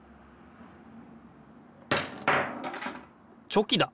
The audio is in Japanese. チョキだ。